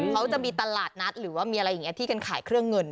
เขาจะมีตลาดนัดหรือว่ามีอะไรอย่างนี้ที่กันขายเครื่องเงิน